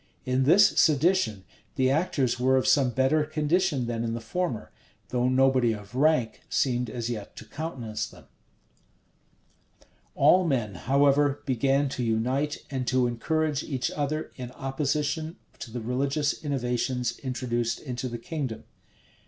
In this sedition, the actors were of some better condition than in the former; though nobody of rank seemed as yet to countenance them.[*] All men, however, began to unice and to encourage each other in opposition to the religious innovations introduced into the kingdom.